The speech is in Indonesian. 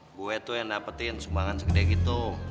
gue tuh yang dapetin sumbangan segede gitu